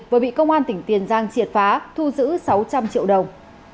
vừa bị công an tỉnh tiền giang triệt phá thu giữ sáu trăm linh triệu đồng